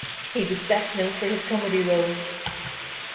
He was best known for his comedy roles.